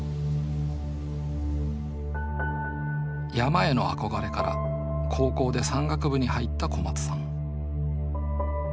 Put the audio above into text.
山への憧れから高校で山岳部に入った小松さん。